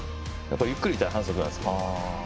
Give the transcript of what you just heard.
ゆっくりいったら反則なんです。